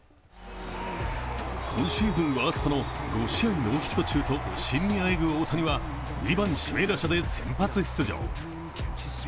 今シーズンワーストの５試合ノーヒット中と不振にあえぐ大谷は、２番・指名打者で先発出場。